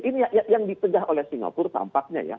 ini yang ditegah oleh singapura tampaknya ya